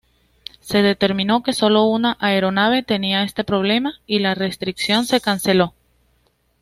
Se determinó que solo una aeronave tenía este problema, y la restricción se canceló.